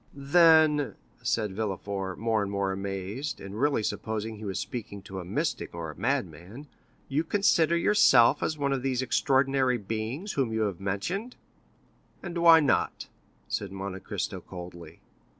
"Then," said Villefort, more and more amazed, and really supposing he was speaking to a mystic or a madman, "you consider yourself as one of those extraordinary beings whom you have mentioned?" "And why not?" said Monte Cristo coldly.